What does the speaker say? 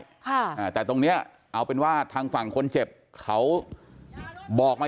อ่าแต่ตรงเนี้ยเอาเป็นว่าทางฝั่งคนเจ็บเขาบอกมา